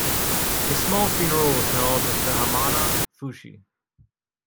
A small funeral was held at Vihamanaa Fushi.